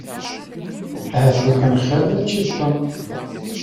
Ahat lukan xir mačči d Tom.